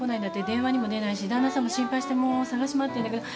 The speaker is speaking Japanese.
電話にも出ないし旦那さんも心配してもう捜し回ってるんだけど。